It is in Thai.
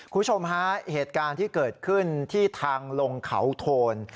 คุณผู้ชมฮะเหตุการณ์ที่เกิดขึ้นที่ทางลงเขาโทน